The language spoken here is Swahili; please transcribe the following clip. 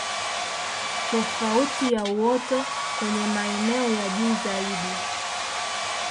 Tofauti na uoto kwenye maeneo ya juu zaidi